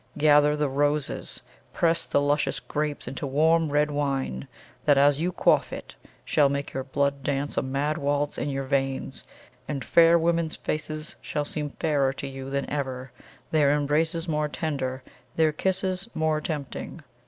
Gather the roses; press the luscious grapes into warm, red wine that, as you quaff it, shall make your blood dance a mad waltz in your veins, and fair women's faces shall seem fairer to you than ever, their embraces more tender, their kisses more tempting!